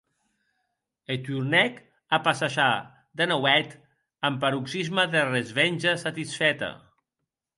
E tornèc a passejar de nauèth, en paroxisme dera resvenja satisfèta.